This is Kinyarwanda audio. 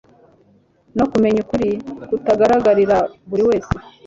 no kumenya ukuri kutagaragarira buri wese